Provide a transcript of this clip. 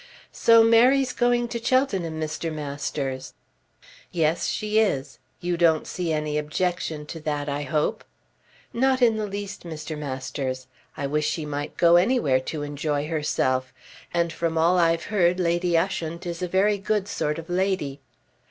"So Mary's going to Cheltenham, Mr. Masters." "Yes, she is. You don't see any objection to that, I hope." "Not in the least, Mr. Masters. I wish she might go anywhere to enjoy herself. And from all I've heard Lady Ushant is a very good sort of lady."